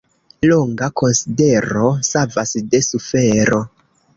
Longa konsidero savas de sufero.